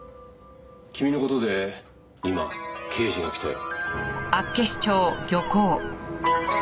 君の事で今刑事が来たよ。